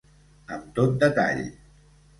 Amb tot detall.